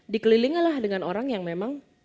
dikelilingi lah dengan orang yang memang